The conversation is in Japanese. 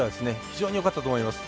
非常によかったと思います。